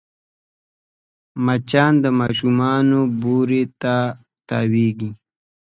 مچان د ماشوم بوري ته تاوېږي